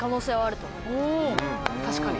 お確かに。